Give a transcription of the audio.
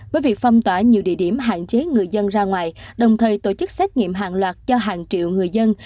với việc phong tỏa nhiều địa điểm hạn chế người dân ra ngoài đồng thời tổ chức xét nghiệm hàng loạt cho hàng triệu người dân